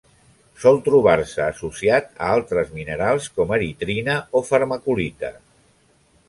Sol trobar-se associat a altres minerals com: eritrina o farmacolita.